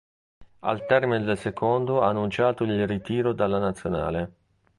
Al termine del secondo ha annunciato il ritiro dalla nazionale.